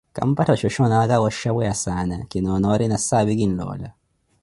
kampattha shoshonaka mpeya, wa oshapweya saana, kinoona yoori nasaapi kinloola.